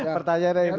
pertanyaannya yang betul